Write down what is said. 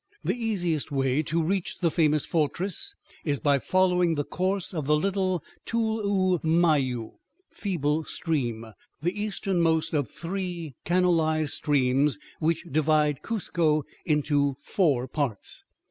The easiest way to reach the famous "fortress" is by following the course of the little Tullumayu, "Feeble Stream," the easternmost of the three canalized streams which divide Cuzco into four parts.